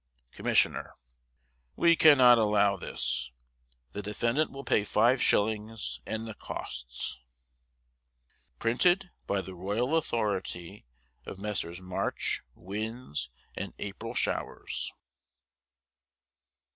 Commissioner: We cannot allow this. The defendant will pay 5s and the costs. PRINTED BY THE ROYAL AUTHORITY of Messrs March Winds and April Showers.